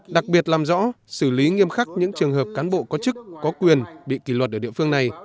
đặc biệt làm rõ xử lý nghiêm khắc những trường hợp cán bộ có chức có quyền bị kỷ luật ở địa phương này